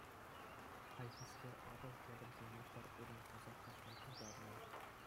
Хайхискер Атӑл тепӗр енне пӗр утӑм тусах каҫма пултарнӑ.